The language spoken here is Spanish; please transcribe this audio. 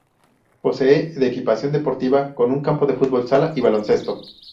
Posee de equipación deportiva con un campo de fútbol sala y baloncesto.